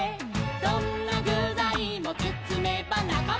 「どんなぐざいもつつめばなかま」「」